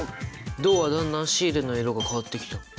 銅はだんだんシールの色が変わってきた！